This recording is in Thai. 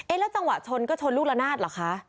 แล้วจังหวะชนก็ชนลูกละนาดเหรอคะ